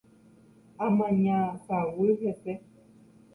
Amaña saguy hese